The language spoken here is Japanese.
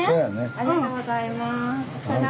ありがとうございます。